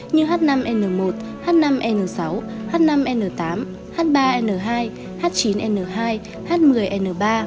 như h năm n một h năm n sáu h năm n tám h ba n hai h chín n hai h một mươi n ba